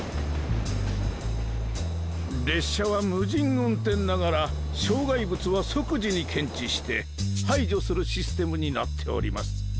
列車は無人運転ながら障害物は即時に検知して排除するシステムになっております。